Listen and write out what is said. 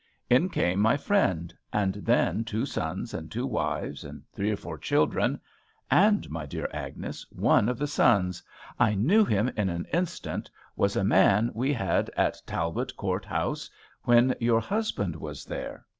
In came my friend; and then two sons and two wives, and three or four children: and, my dear Agnes, one of the sons, I knew him in an instant, was a man we had at Talbot Court House when your husband was there.